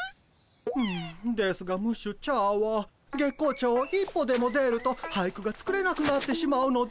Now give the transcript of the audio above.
うんですがムッシュチャーは月光町を一歩でも出ると俳句が作れなくなってしまうのです。